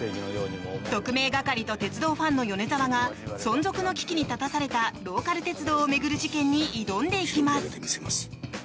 特命係と鉄道ファンの米沢が存続の危機に立たされたローカル鉄道を巡る事件に挑んでいきます！